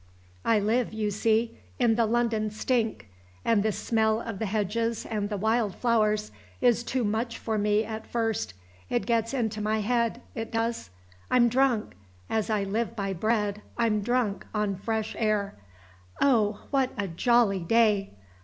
I live, you see, in the London stink; and the smell of the hedges and the wild flowers is too much for me at first. It gets into my head, it does. I'm drunk! As I live by bread, I'm drunk on fresh air! Oh! what a jolly day!